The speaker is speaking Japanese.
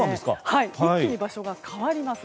一気に場所が変わります。